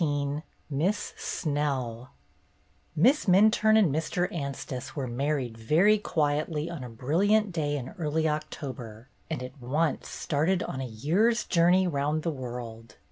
XVII MISS SNELL M ISS Minturne and Mr. Anstice were married very quietly on a brilliant day in early October, and at once started on a year's journey round the world.